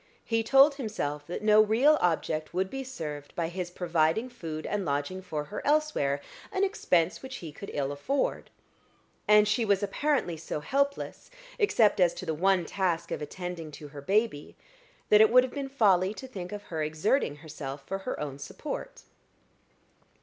He told himself that no real object would be served by his providing food and lodging for her elsewhere an expense which he could ill afford. And she was apparently so helpless, except as to the one task of attending to her baby, that it would have been folly to think of her exerting herself for her own support.